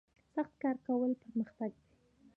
سخت کار کول پرمختګ دی